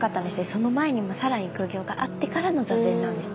その前にも更に苦行があってからの坐禅なんですね。